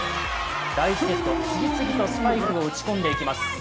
第１セット、次々とスパイクを打ち込んでいきます。